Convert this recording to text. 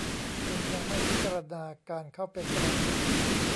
จึงยังไม่พิจารณาการเข้าเป็นสมาชิก